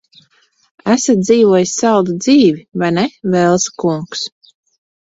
Esat dzīvojis saldu dzīvi, vai ne, Velsa kungs?